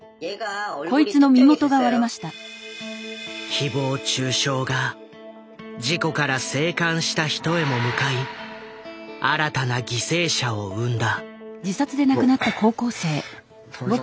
ひぼう中傷が事故から生還した人へも向かい新たな犠牲者を生んだ。